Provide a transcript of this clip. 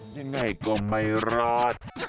ยังไงก็ไม่รอด